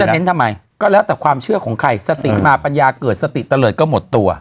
เน้นทำไมก็แล้วแต่ความเชื่อของใครสติมาปัญญาเกิดสติเตลิศก็หมดตัว